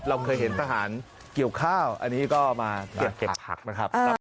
เราเคยเห็นทหารเกี่ยวข้าวอันนี้ก็มาเก็บผักนะครับ